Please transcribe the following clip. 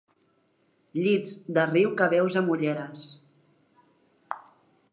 Llits de riu que veus amb ulleres.